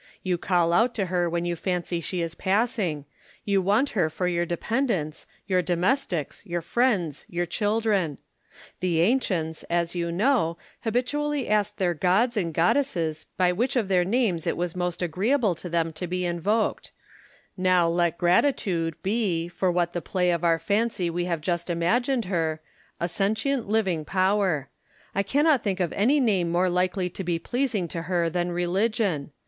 You call out to her when you fancy she is passing ; you want her for your dependants, your domestics, your friends, your children. The ancients, as you know, habitually asked their gods and goddesses by which of their names it was most agreeable to them to be invoked : now let Gratitude be, what for the play of our fancy we have just imagined her, a sentient living power; I cannot think of any name more likely to be pleasing to DA VID HUME AND JOHN HOME. 237 her than Religion.